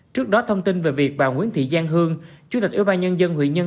trước đó thông tin về việc bà nguyễn thị giang hương chủ tịch ủy ban nhân dân huy nhân